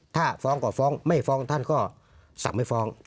ถ้าฟ้องก็ฟ้องไม่ฟ้องท่านก็สั่งไม่ฟ้อง